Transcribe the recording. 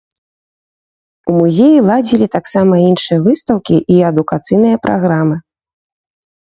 У музеі ладзілі таксама іншыя выстаўкі і адукацыйныя праграмы.